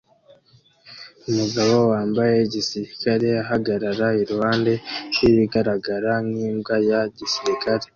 Umugabo wambaye igisirikare ahagarara iruhande rwibigaragara nkimbwa ya gisirikare